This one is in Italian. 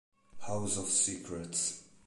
House of Secrets